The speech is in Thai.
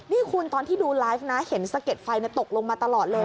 นี่คุณตอนที่ดูไลฟ์นะเห็นสะเก็ดไฟตกลงมาตลอดเลย